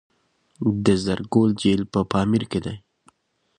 د زرکول جهیل په پامیر کې دی